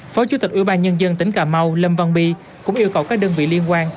phó chủ tịch ủy ban nhân dân tỉnh cà mau lâm văn bi cũng yêu cầu các đơn vị liên quan